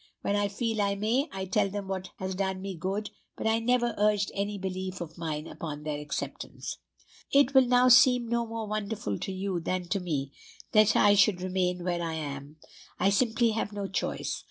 When I feel I may, I tell them what has done me good, but I never urge any belief of mine upon their acceptance. "It will now seem no more wonderful to you than to me, that I should remain where I am. I simply have no choice.